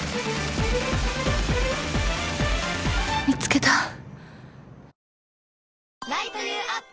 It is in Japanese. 見つけた。